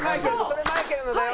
それマイケルのだよ」。